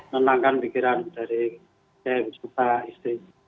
menenangkan pikiran dari saya dan istri